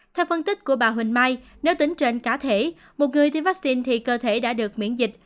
theo phân tích của bà huỳnh mai nếu tính trên cá thể một người tiêm vaccine thì cơ thể đã được miễn dịch